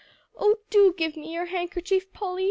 Oh, do give me your handkerchief, Polly.